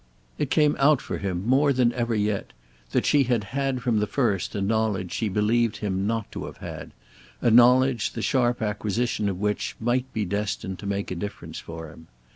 It came out for him more than ever yet that she had had from the first a knowledge she believed him not to have had, a knowledge the sharp acquisition of which might be destined to make a difference for him.